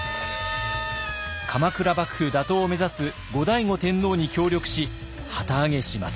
鎌倉幕府打倒を目指す後醍醐天皇に協力し旗揚げします。